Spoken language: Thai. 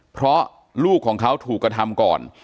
เพราะลูกของเขาถูกกระทำก่อน